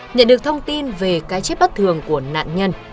nhận được thông tin về cái chết bất thường của nạn nhân